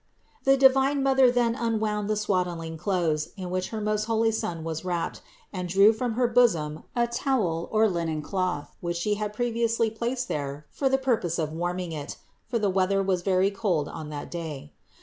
533. The divine Mother then unwound the swaddling clothes in which her most holy Son was wrapped and drew from her bosom a towel or linen cloth, which She had previously placed there for the purpose of warming it; for the weather was very cold on that day.